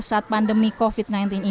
saat pandemi covid sembilan belas ini